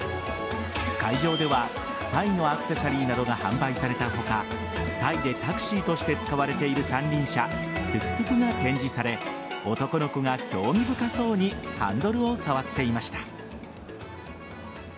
会場ではタイのアクセサリーなどが販売された他タイでタクシーとして使われている三輪車トゥクトゥクが展示され男の子が興味深そうにハンドルを触っていました。